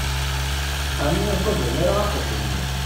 Ɛni ur ḥudren ara aqjun-nni?